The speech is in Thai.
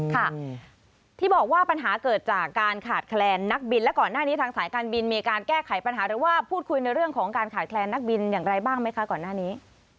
ค่ะที่บอกว่าปัญหาเกิดจากการขาดแคลนนักบินและก่อนหน้านี้ทางสายการบินมีการแก้ไขปัญหาหรือว่าพูดคุยในเรื่องของการขาดแคลนนักบินอย่างไรบ้างไหมคะก่อนหน้านี้